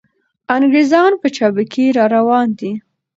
انګریزان په چابکۍ را روان دي.